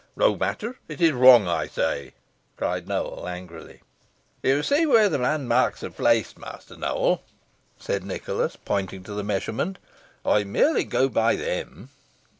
"No matter; it is wrong, I say," cried Nowell, angrily. "You see where the landmarks are placed, Master Nowell," said Nicholas, pointing to the measurement. "I merely go by them."